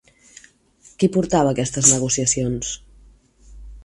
Qui portava aquestes negociacions?